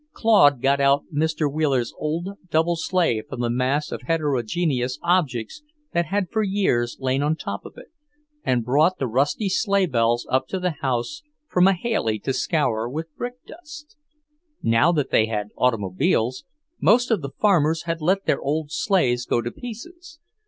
Claude got out Mr. Wheeler's old double sleigh from the mass of heterogeneous objects that had for years lain on top of it, and brought the rusty sleighbells up to the house for Mahailey to scour with brick dust. Now that they had automobiles, most of the farmers had let their old sleighs go to pieces.